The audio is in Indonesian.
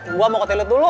gua mau ke hotelnya dulu